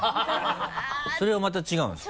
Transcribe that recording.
それはまた違うんですか？